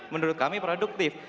menurut kami produktif